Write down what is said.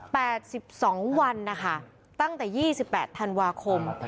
สิบสองวันนะคะตั้งแต่ยี่สิบแปดธันวาคม